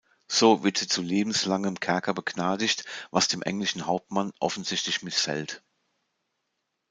So wird sie zu lebenslangem Kerker begnadigt, was dem englischen Hauptmann offensichtlich missfällt.